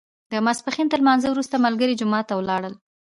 د ماسپښین تر لمانځه وروسته ملګري جومات ته ولاړل.